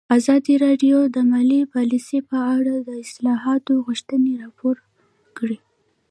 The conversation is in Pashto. ازادي راډیو د مالي پالیسي په اړه د اصلاحاتو غوښتنې راپور کړې.